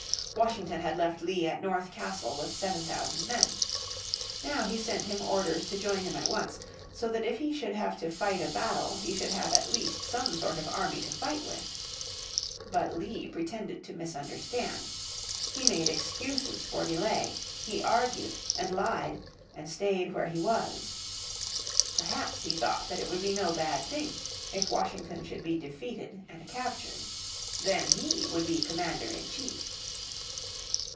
Washington had left Lee at North Castle with seven thousand men. Now he sent him orders to join him at once, so that if he should have to fight a battle he could have at least some sort of army to fight with. But Lee pretended to misunderstand. He made excuses for delay, he argued, and lied, and stayed where he was. Perhaps he thought that it would be no bad thing if Washington should be defeated and captured. Then he would be commander in chief.